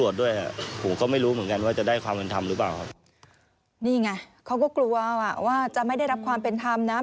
นี่ไงเขาก็กลัวว่าจะไม่ได้รับความเป็นธรรมนะ